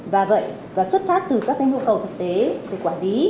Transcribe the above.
và vậy và xuất phát từ các cái nhu cầu thực tế từ quản lý